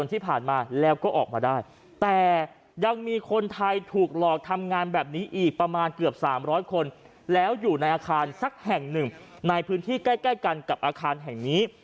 ในพื้นที่ใกล้กันกับอาคารแห่งนี้